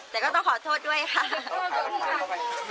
แต่ก็ต้องขอโทษด้วยค่ะ